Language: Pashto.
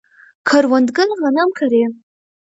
کروندګر غنم کري.